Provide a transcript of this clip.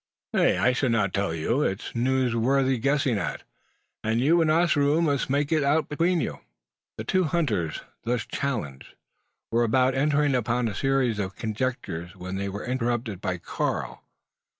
"Nay, I shall not tell you. It is news worth guessing at; and you and Ossaroo must make it out between you." The two hunters, thus challenged, were about entering upon a series of conjectures, when they were interrupted by Karl.